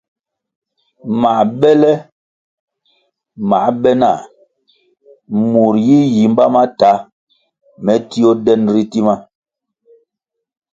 Mā bele ma be nah, murʼ yi yimba ma ta, me tio den ritima.